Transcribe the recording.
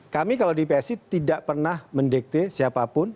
kami kalau di psi tidak pernah mendikte siapapun